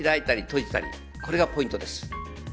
これがポイントです。